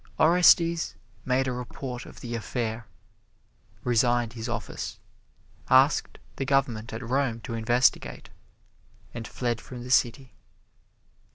Orestes made a report of the affair, resigned his office, asked the Government at Rome to investigate, and fled from the city.